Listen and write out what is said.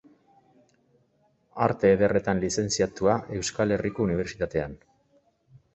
Arte Ederretan lizentziatua Euskal Herriko Unibertsitatean.